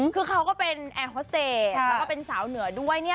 คือเขาก็เป็นแอร์ฮอสเตจแล้วก็เป็นสาวเหนือด้วยเนี่ย